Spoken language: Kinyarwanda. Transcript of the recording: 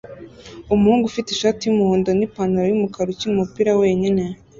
Umuhungu ufite ishati yumuhondo nipantaro yumukara ukina umupira wenyine